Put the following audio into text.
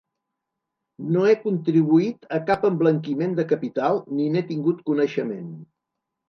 No he contribuït a cap emblanquiment de capital ni n’he tingut coneixement.